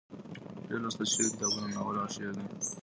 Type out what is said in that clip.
ډېر لوستل شوي کتابونه ناول او شعر دي.